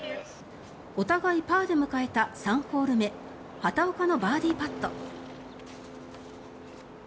お互いパーで迎えた３ホール目畑岡のバーディーパット。